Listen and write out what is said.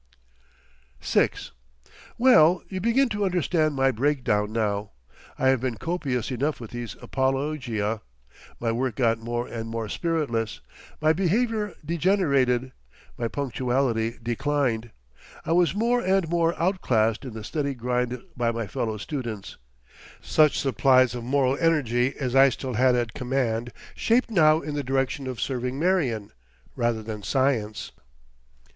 '" VI Well, you begin to understand my breakdown now, I have been copious enough with these apologia. My work got more and more spiritless, my behaviour degenerated, my punctuality declined; I was more and more outclassed in the steady grind by my fellow students. Such supplies of moral energy as I still had at command shaped now in the direction of serving Marion rather than science.